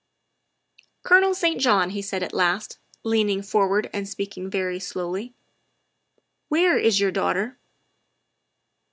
" Colonel St. John," he said at last, leaning forward and speaking very slowly, " where is your daughter?"